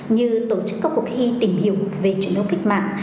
như tổ chức các cuộc hy tìm hiểu về truyền thống kích mạng